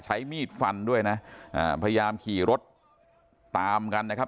ใช้มีดฟันด้วยนะอ่าพยายามขี่รถตามกันนะครับ